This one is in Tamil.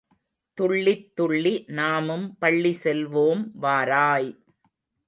துள்ளித் துள்ளி நாமும் பள்ளி செல்வோம், வாராய்.